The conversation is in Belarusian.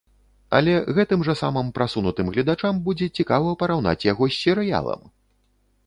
Але гэтым жа самым прасунутым гледачам будзе цікава параўнаць яго з серыялам!